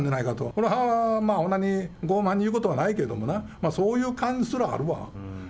これはごう慢に言うことはないけどな、そういう感じすらあるわ。